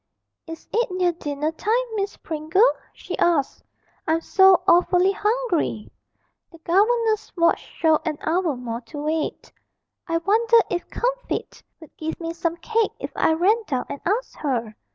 'Is it near dinner time, Miss Pringle?' she asked. 'I'm so awfully hungry!' The governess's watch showed an hour more to wait. 'I wonder if Comfitt would give me some cake if I ran down and asked her!'